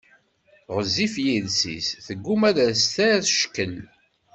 Ɣezzif yiles-is, tegguma ad as-terr ckkel.